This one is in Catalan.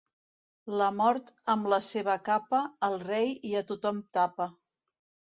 La mort amb la seva capa, al rei i a tothom tapa.